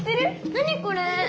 何これ？